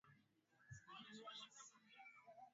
wakimlaumu kwa kushindwa kudhibiti ghasia zinazoongezeka